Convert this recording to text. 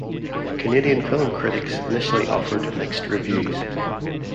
Canadian film critics initially offered mixed reviews.